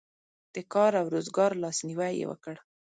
د کار او روزګار لاسنیوی یې وکړ.